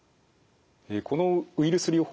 このウイルス療法薬